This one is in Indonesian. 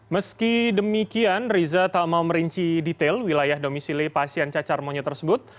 meski demikian riza tak mau merinci detail wilayah domisili pasien cacar monyet tersebut